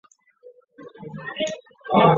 最早是当地泰雅族人发现这里有温泉。